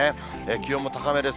気温も高めです。